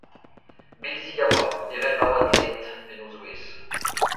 Bilzig a oa, evel ma oa dleet, en o zouez.